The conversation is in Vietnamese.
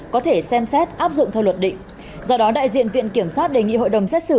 có thể xem xét áp dụng theo luật định do đó đại diện viện kiểm sát đề nghị hội đồng xét xử